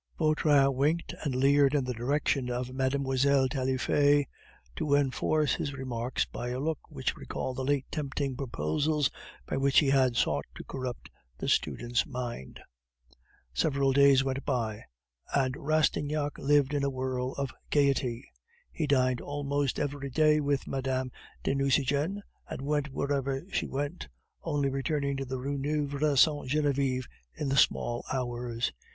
Vautrin winked and leered in the direction of Mlle. Taillefer to enforce his remarks by a look which recalled the late tempting proposals by which he had sought to corrupt the student's mind. Several days went by, and Rastignac lived in a whirl of gaiety. He dined almost every day with Mme. de Nucingen, and went wherever she went, only returning to the Rue Neuve Sainte Genevieve in the small hours.